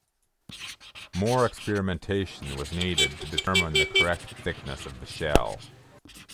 More experimentation was needed to determine the correct thickness of the shell.